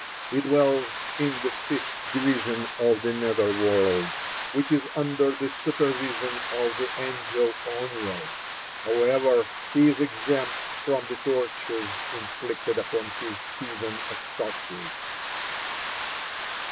(46) He dwells in the fifth division of the nether world, which is under the supervision of the angel Oniel. However, he is exempt from the tortures inflicted upon his heathen associates.